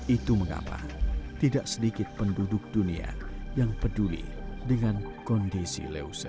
itu mengapa tidak sedikit penduduk dunia yang peduli dengan kondisi leuser